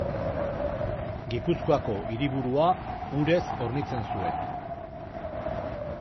Gipuzkoako hiriburua urez hornitzen zuen.